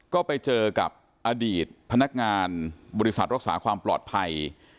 ก็ไปเจอกับอดีตพนักงานบริษัทรักษาความปลอดภัย